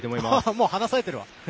もう離されてるわ！